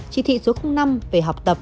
chỉ thị số năm về học tập